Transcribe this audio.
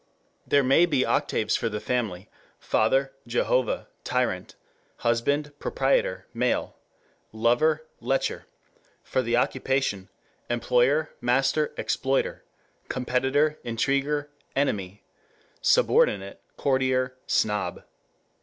There may be octaves for the family, father, Jehovah, tyrant, husband, proprietor, male, lover, lecher, for the occupation, employer, master, exploiter, competitor, intriguer, enemy, subordinate, courtier, snob.